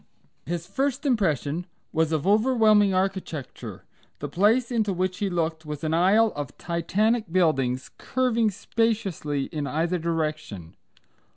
His first impression was of overwhelming architecture. The place into which he looked was an aisle of Titanic buildings, curving spaciously in either direction.